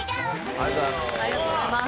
ありがとうございます。